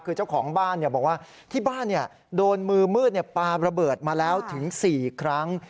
คือเจ้าของบ้านบอกว่าที่บ้านโดนมือมืดปลาระเบิดมาแล้วถึง๔ครั้ง